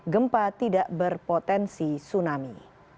gempa tidak berpotensi tsunami